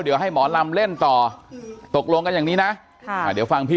เดี๋ยวให้หมอลำเล่นต่อตกลงกันอย่างนี้นะค่ะอ่าเดี๋ยวฟังพี่